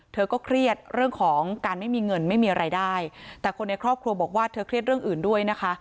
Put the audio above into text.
เธอก็เครียดเรื่องของการไม่มีเงินไม่มีอะไรได้แต่คนในครอบครัวบอกว่าเธอเครียดเรื่องอื่นด้วยนะคะ